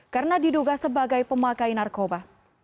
karena diduga sebagai pemakai narkoba